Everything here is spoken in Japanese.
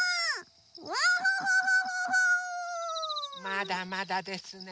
まだまだですね。